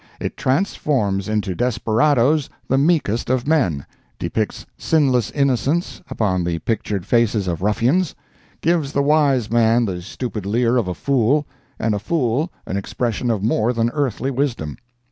It transforms into desperadoes the meekest of men; depicts sinless innocence upon the pictured faces of ruffians; gives the wise man the stupid leer of a fool, and a fool an expression of more than earthly wisdom.